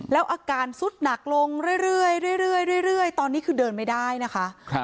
แล้วอาการสุดหนักลงเรื่อยตอนนี้คือเดินไม่ได้นะคะ